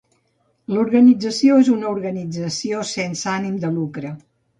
L'organització és una organització sense ànim de lucre.